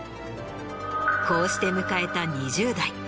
こうして迎えた２０代。